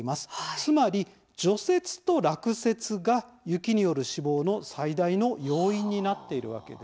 つまり、除雪と落雪が雪による死亡の最大の要因になっているわけですね。